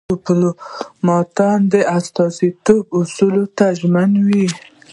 ډيپلومات د استازیتوب اصولو ته ژمن وي.